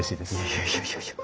いやいやいやいや。